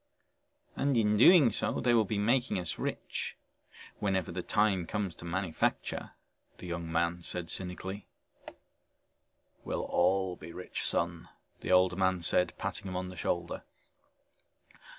"And in doing so they will be making us rich whenever the time comes to manufacture," the young man said cynically. "We'll all be rich, son," the older man said, patting him on the shoulder.